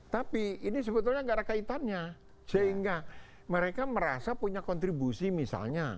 tapi ini sebetulnya nggak ada kaitannya sehingga mereka merasa punya kontribusi misalnya